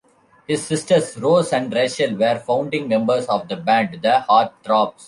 His sisters Rose and Rachel were founding members of the band The Heart Throbs.